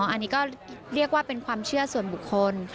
อันนี้ก็เรียกว่าเป็นความเชื่อส่วนบุคคล